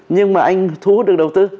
nhưng mà anh thu hút được đầu tư